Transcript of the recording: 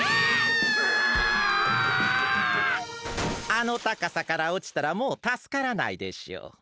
あのたかさからおちたらもうたすからないでしょう。